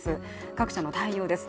各社の対応です。